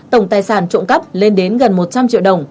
tổng tài sản trộm cắp lên đến gần một trăm linh triệu đồng